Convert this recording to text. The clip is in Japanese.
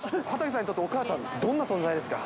畠さんにとって、お母さん、どんな存在ですか？